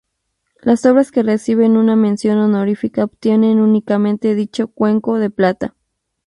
Las obras que reciben una mención honorífica obtienen únicamente dicho cuenco de plata.